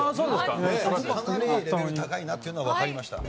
かなりレベルが高いなというのはわかりました。